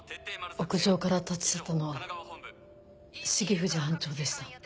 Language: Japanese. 屋上から立ち去ったのは重藤班長でした。